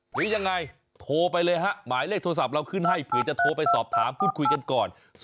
หรือยังไงโทรไปเลยฮะหมายเลขโทรศัพท์เราขึ้นให้เผื่อจะโทรไปสอบถามพูดคุยกันก่อน